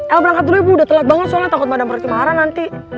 el berangkat dulu ya bu udah telat banget soalnya takut madam perhenti marah nanti